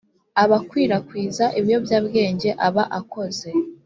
abakwirakwiza ibiyobyabwenge aba akoze